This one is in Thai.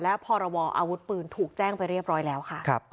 และพรวอาวุธปืนถูกแจ้งไปเรียบร้อยแล้วค่ะ